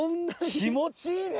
気持ちいいね。